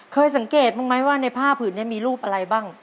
เคยสังเกตบ้างไหมว่าในผ้าผืนนี้มีรูปอะไรบ้าง